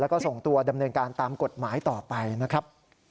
แล้วก็ส่งตัวดำเนินการตามกฎหมายต่อไปนะครับ